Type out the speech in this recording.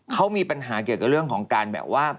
เขามีปัญหาเกี่ยวกับเรื่องของการแบบว่า